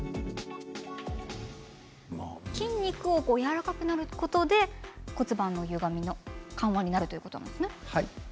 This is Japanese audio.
筋肉がやわらかくなることで骨盤のゆがみが緩和できるということですね。